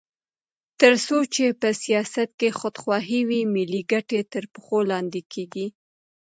تر څو چې په سیاست کې خودخواهي وي، ملي ګټې تر پښو لاندې کېږي.